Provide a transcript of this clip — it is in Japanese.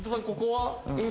ここは？